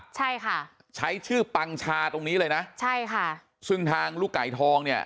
ใช่ค่ะใช้ชื่อปังชาตรงนี้เลยนะใช่ค่ะซึ่งทางลูกไก่ทองเนี่ย